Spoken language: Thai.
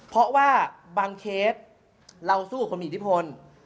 เพราะว่าบางเคสเราสู้กับคนมีอิทธิพล